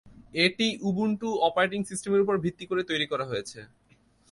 এটি Ubuntu operating সিস্টেমের উপর ভিত্তি করে তৈরী করা হয়েছে।